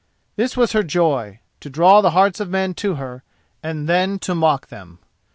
This was her joy: to draw the hearts of men to her and then to mock them.